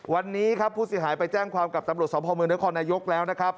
วันนี้ครับผู้เสียหายไปแจ้งความกับตำรวจสมภาพเมืองนครนายกแล้วนะครับ